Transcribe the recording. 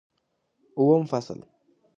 اووم فصل